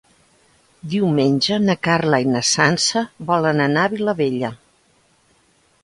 Diumenge na Carla i na Sança volen anar a Vilabella.